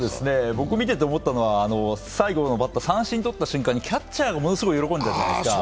僕が見てて思ったのは、最後のバッター、三振取った瞬間にキャッチャーが、ものすごく喜んでたじゃないですか。